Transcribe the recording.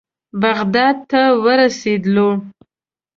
بغداد ته ورسېدلو.